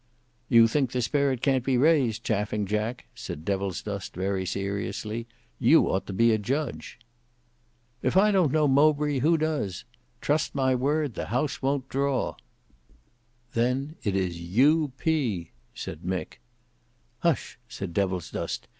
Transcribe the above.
"You think the spirit can't be raised, Chaffing Jack," said Devilsdust very seriously. "You ought to be a judge." "If I don't know Mowbray who does? Trust my word, the house won't draw." "Then it is U P," said Mick. "Hush!" said Devilsdust.